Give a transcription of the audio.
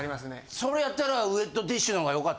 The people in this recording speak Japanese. それやったら。